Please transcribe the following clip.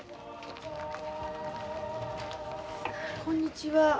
こんにちは。